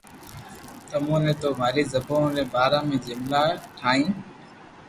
تموني نو ماري زبون ري بارا ۾ جملا ٺائين